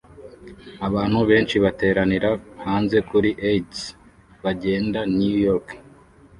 Abantu benshi bateranira hanze kuri Aids bagenda New York